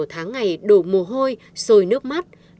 hằng ngày và thú trí như thế